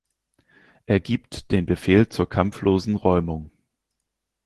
Er gibt den Befehl zur kampflosen Räumung.